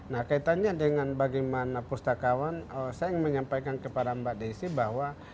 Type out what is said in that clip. nah kaitannya dengan bagaimana pustakawan saya ingin menyampaikan kepada mbak desi bahwa